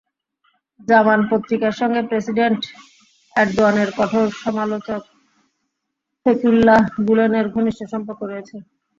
জামান পত্রিকার সঙ্গে প্রেসিডেন্ট এরদোয়ানের কঠোর সমালোচক ফেতুল্লাহ গুলেনের ঘনিষ্ঠ সম্পর্ক রয়েছে।